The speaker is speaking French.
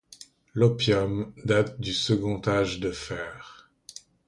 L'oppidum date du second âge du fer.